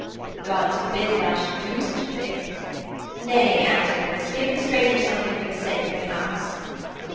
The gods forbid that I should do such a thing. Nay, Antinous. Give the stranger something for the sake of the house.'